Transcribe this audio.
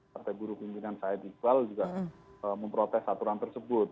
partai buruh pimpinan said iqbal juga memprotes aturan tersebut